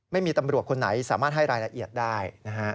ไม่มีตำรวจคนไหนสามารถให้รายละเอียดได้นะฮะ